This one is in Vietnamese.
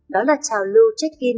đó là trào lưu check in